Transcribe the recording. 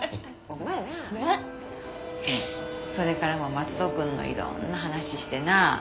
それからも松戸君のいろんな話してな。